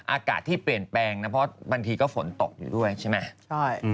อากาศที่เปลี่ยนแปลงนะเพราะบางทีก็ฝนตกอยู่ด้วยใช่ไหม